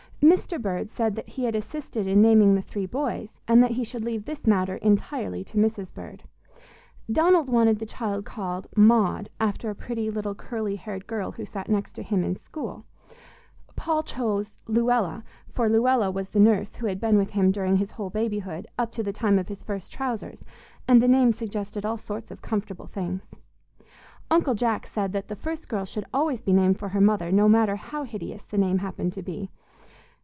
Mr. Bird said that he had assisted in naming the three boys, and that he should leave this matter entirely to Mrs. Bird; Donald wanted the child called "Maud," after a pretty little curly haired girl who sat next him in school; Paul chose "Luella," for Luella was the nurse who had been with him during his whole babyhood, up to the time of his first trousers, and the name suggested all sorts of comfortable things. Uncle Jack said that the first girl should always be named for her mother, no matter how hideous the name happened to be.